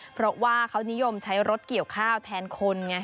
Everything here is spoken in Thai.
เพราะว่าเขานิยมใช้รถเกี่ยวข้าวแทนคนไง